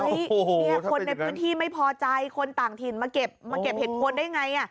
โอ้โหคนในพื้นที่ไม่พอใจคนต่างถิ่นมาเก็บเหตุผลได้ไง